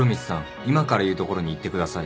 今から言う所に行ってください。